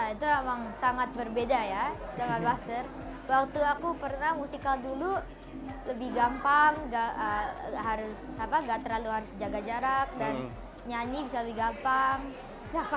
itu emang sangat berbeda ya sama buzzer waktu aku pernah musikal dulu lebih gampang harus gak terlalu harus jaga jarak dan nyanyi bisa lebih gampang